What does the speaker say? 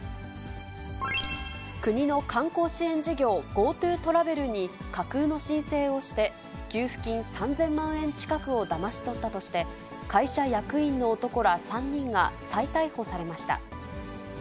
国の観光支援事業、ＧｏＴｏトラベルに架空の申請をして、給付金３０００万円近くをだまし取ったとして、会社役員の男ら３人が再逮捕されました。